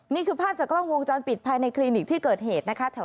นี่คือภาพจากกล้องวงจรปิดภายในคลินิกที่เกิดเหตุนะคะ